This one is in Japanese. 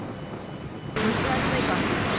蒸し暑い感じです。